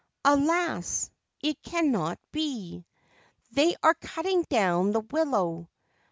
Alas, it cannot be ! They are cutting down the willow.